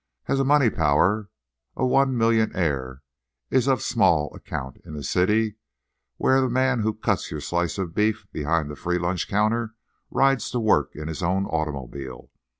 As a money power a one millionaire is of small account in a city where the man who cuts your slice of beef behind the free lunch counter rides to work in his own automobile.